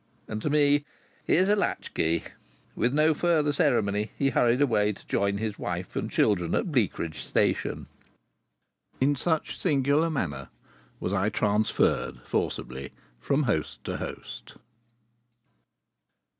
And to me: "Here's a latchkey." With no further ceremony he hurried away to join his wife and children at Bleakridge Station. In such singular manner was I transferred forcibly from host to host.